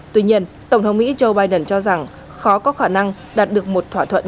tuy nhiên tổng thống mỹ joe biden cho rằng khó có khả năng đạt được một thỏa thuận